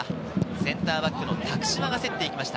センターバックの多久島が競っていきました。